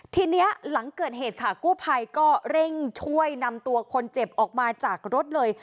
ทีนี้หลังเกิดเหตุค่ะกู้ภัยก็เร่งช่วยนำตัวคนเจ็บออกมาจากรถเลย